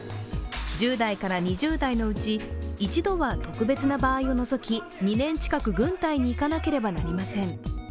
１０代から２０代のうち、１度は特別な場合を除き、２年近く軍隊に行かなければなりません。